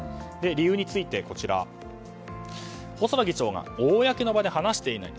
理由については細田議長が公の場で話していない。